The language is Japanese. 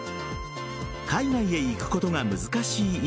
海外へ行くことが難しい